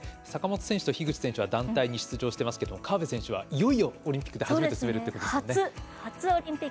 坂本選手と樋口選手は団体に出場していますが河辺選手はいよいよオリンピックで初めて滑ると。